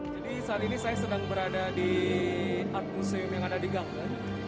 jadi saat ini saya sedang berada di art museum yang ada di gangneung